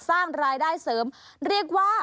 สร้างรายได้เสริมเรียกว่า